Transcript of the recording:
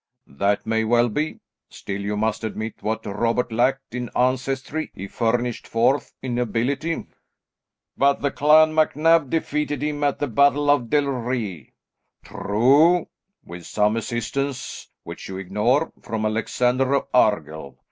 "That may well be, still you must admit that what Robert lacked in ancestry, he furnished forth in ability." "But the Clan MacNab defeated him at the battle of Del Rhi." "True, with some assistance, which you ignore, from Alexander of Argyll.